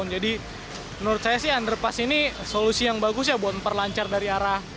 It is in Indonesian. jadi menurut saya sih underpass ini solusi yang bagus ya buat memperlancar dari arah